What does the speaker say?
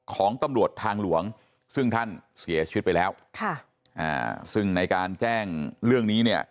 ของตำรวจทางหลวงซึ่งท่านเสียชีวิตไปแล้วค่ะอ่าซึ่งในการแจ้งเรื่องนี้เนี่ย